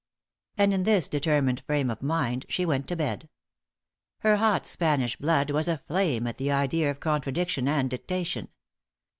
And in this determined frame of mind she went to bed. Her hot Spanish blood was aflame at the idea of contradiction and dictation.